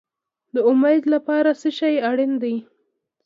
د امید لپاره څه شی اړین دی؟